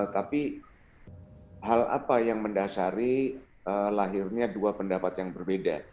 tapi hal apa yang mendasari lahirnya dua pendapat yang berbeda